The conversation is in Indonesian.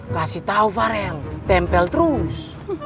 kasih tau varen tempel terus